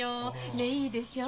ねえいいでしょう？